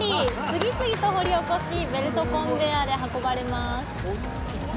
次々と掘り起こしベルトコンベヤーで運ばれます。